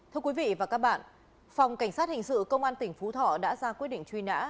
thưa quý vị và các bạn phòng cảnh sát hình sự công an tỉnh phú thọ đã ra quyết định truy nã